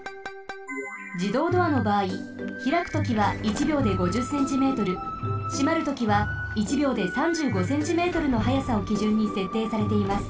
自動ドアのばあい開くときは１秒で５０ｃｍ閉まるときは１秒で３５ｃｍの速さをきじゅんにせっていされています。